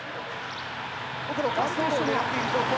奥の滑走路を狙っている状況。